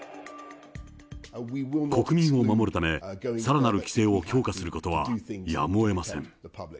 国民を守るため、さらなる規制を強化することはやむをえません。